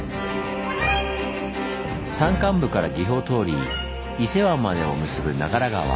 山間部から岐阜を通り伊勢湾までを結ぶ長良川。